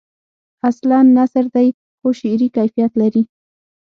اصلاً نثر دی خو شعری کیفیت لري.